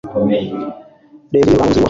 Reverien Rurangwa Muzigura